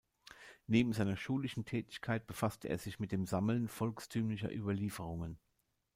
Neben seiner schulischen Tätigkeit befasste er sich mit dem Sammeln volkstümlicher Überlieferungen.